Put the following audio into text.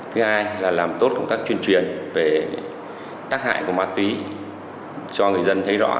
thứ hai là làm tốt công tác tuyên truyền về tác hại của ma túy cho người dân thấy rõ